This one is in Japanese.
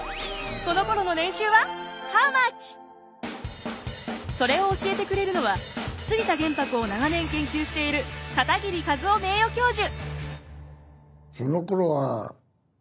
このころの年収はそれを教えてくれるのは杉田玄白を長年研究している片桐一男名誉教授。